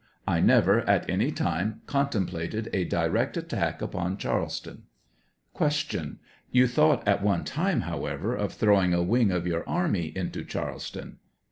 I never, at any time, contemplated a direct attack upon Charleston. Q. Tou thought at one time, however, of throwing a wing of your army into Charleston?